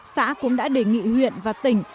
xã cũng đã đề nghị huyện và tỉnh